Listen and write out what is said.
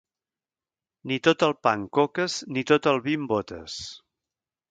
Ni tot el pa en coques, ni tot el vi en botes.